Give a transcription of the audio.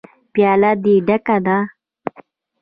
_پياله دې ډکه ده.